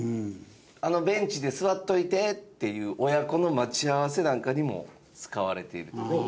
あのベンチで座っておいてっていう親子の待ち合わせなんかにも使われているという。